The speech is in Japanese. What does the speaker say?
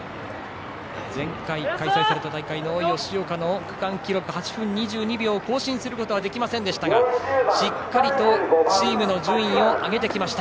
前回開催された大会の吉岡の区間記録を更新することはできませんでしたがしっかりチームの順位を上げてきました。